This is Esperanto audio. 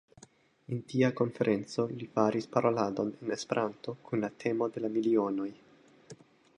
En tia konferenco li faris paroladon en Esperanto kun la temo de la Milionoj.